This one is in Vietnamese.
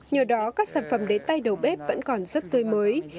nhờ đó các sản phẩm đến tay đầu bếp vẫn còn rất tươi mới